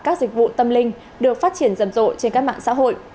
nhưng có thể bắt gặp các dịch vụ tâm linh được phát triển rầm rộ trên các mạng xã hội